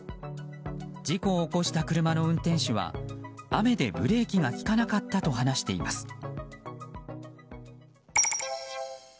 事故を起こした車の運転手は雨でブレーキが利かなかったと話しています。